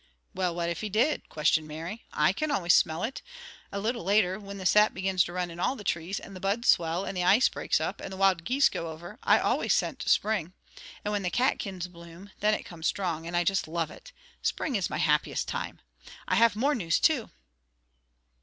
"Well, what if he did?" questioned Mary. "I can always smell it. A little later, when the sap begins to run in all the trees, and the buds swell, and the ice breaks up, and the wild geese go over, I always scent spring; and when the catkins bloom, then it comes strong, and I just love it. Spring is my happiest time. I have more news, too!"